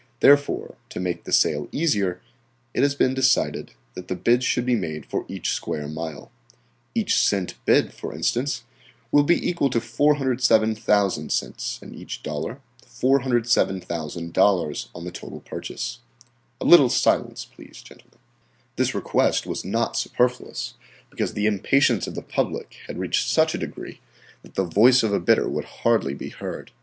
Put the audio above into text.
Therefore, to make the sale easier, it has been decided that the bids should be made for each square mile. Each cent bid, for instance, will be equal to 407,000 cents and each dollar 407,000 dollars on the total purchase. A little silence, please, gentlemen." This request was not superfluous, because the impatience of the public had reached such a degree that the voice of a bidder would hardly be heard.